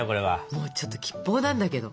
もうちょっと吉報なんだけど。